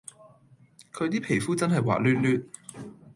佢 D 皮膚真係滑捋捋